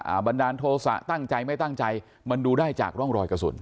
บันดาลโทษะตั้งใจไม่ตั้งใจมันดูได้จากร่องรอยกระสุน